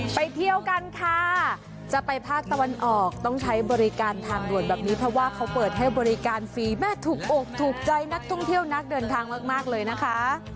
ไปเที่ยวกันค่ะจะไปภาคตะวันออกต้องใช้บริการทางด่วนแบบนี้เพราะว่าเขาเปิดให้บริการฟรีแม่ถูกอกถูกใจนักท่องเที่ยวนักเดินทางมากเลยนะคะ